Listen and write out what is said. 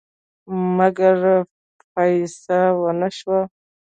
مګر فیصه ونه شوه.